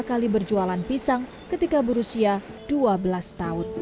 kali menjual buah pisang di pasar asin yang diberikan oleh kota oman ini